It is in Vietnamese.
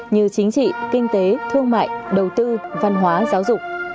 như chính trị kinh tế thương mại đầu tư văn hóa giáo dục